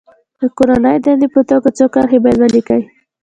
د کورنۍ دندې په توګه څو کرښې باید ولیکي.